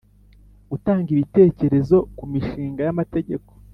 Gutanga ibitekerezo ku mishinga y amategeko